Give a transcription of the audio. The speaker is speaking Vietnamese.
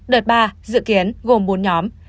đợt ba dự kiến gồm bốn nhóm